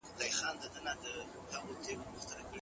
الله تعالی د دوی په اړه هغه څه نازل کړل، چي نازلول ئې غوښتل.